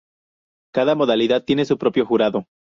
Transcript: Cada modalidad tiene su propio jurado.